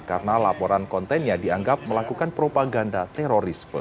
karena laporan kontennya dianggap melakukan propaganda teroris